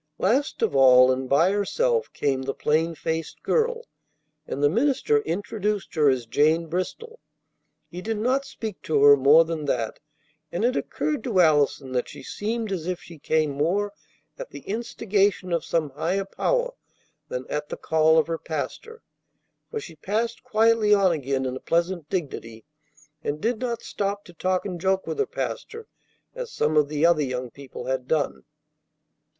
Last of all, and by herself, came the plain faced girl; and the minister introduced her as Jane Bristol. He did not speak to her more than that, and it occurred to Allison that she seemed as if she came more at the instigation of some higher power than at the call of her pastor; for she passed quietly on again in a pleasant dignity, and did not stop to talk and joke with her pastor as some of the other young people had done.